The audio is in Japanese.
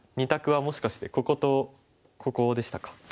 ２択はもしかしてこことここでしたか。